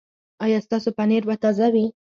ایا ستاسو پنیر به تازه وي؟